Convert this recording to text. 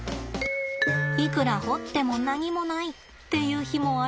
いくら掘っても何もないっていう日もあるんです。